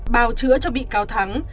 bào chữa cho bị cáo thắng